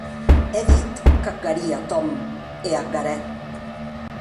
È dit qu'ac haria, Tom, e ac harè.